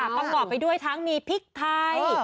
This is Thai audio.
อ๋อต้องกรอบไปด้วยทั้งมีพริกทาย